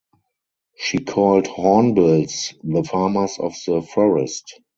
She called hornbills "the farmers of the forest".